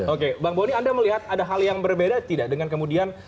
oke bang boni anda melihat ada hal yang berbeda tidak dengan kemudian